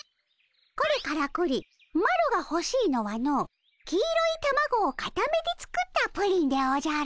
これからくりマロがほしいのはの黄色いたまごをかためて作ったプリンでおじゃる！